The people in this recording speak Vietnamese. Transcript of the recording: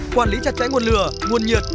quản lý chặt cháy nguồn lửa nguồn nhiệt